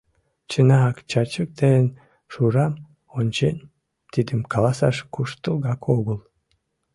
Чынак, Чачук ден Шурам ончен, тидым каласаш куштылгак огыл.